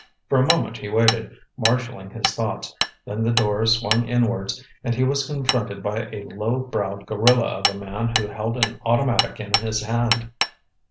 For a moment he waited, marshalling his thoughts, then the door swung inwards and he was confronted by a low browed gorilla of a man who held an automatic in his hand.